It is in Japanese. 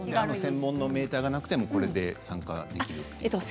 専門のメーターがなくても参加できるの？